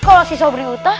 kan kalau si sobri utah